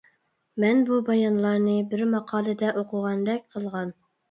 مەن بۇ بايانلارنى بىر ماقالىدە ئوقۇغاندەك قىلغان.